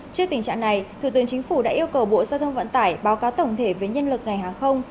trước tình trạng này thủ tướng chính phủ đã yêu cầu bộ giao thông vận tải báo cáo tổng thể về nhân lực ngành hàng không